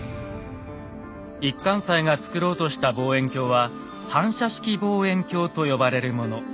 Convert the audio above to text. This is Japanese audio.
一貫斎が作ろうとした望遠鏡は「反射式望遠鏡」と呼ばれるもの。